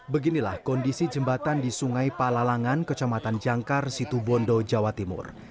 beginilah kondisi jembatan di sungai palalangan kecamatan jangkar situbondo jawa timur